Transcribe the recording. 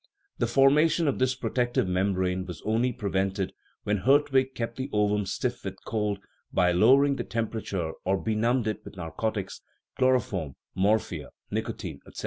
The formation of this protective mem brane was only prevented when Hertwig kept the ovum stiff with cold by lowering the temperature, or benumbed it with narcotics (chloroform, morphia, nicotine, etc.)